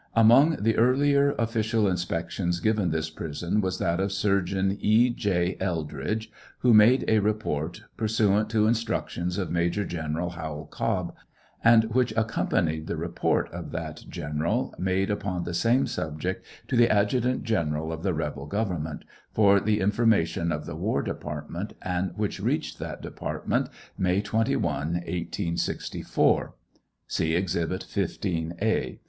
Among the earlier official inspectious given this prison was that of Surgeon E. J. Eldridge, who made a report, pursuant to instructions of Major G eueral Howell Cobb, and which accompanied the report of that general, made upon the same subject to the adjutant general of the rebel government, for the information of the war department, and which reached that department May 21, 1864. (See Exhibit 15 A.)